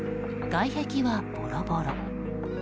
外壁はボロボロ。